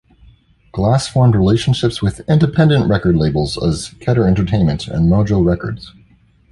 Glass formed relationships with independent record labels as Kedar Entertainment and Mojo Records.